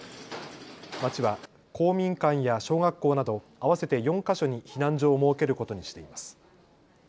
町は公民館や小学校など合わせて４か所に避難所を設けることにしています。